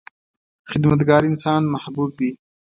• خدمتګار انسان محبوب وي.